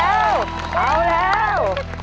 เอาแล้ว